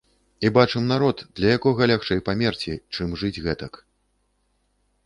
І бачым народ, для якога лягчэй памерці, чым жыць гэтак.